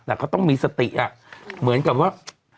แต่เขาต้องมีสติเหมือนกับว่า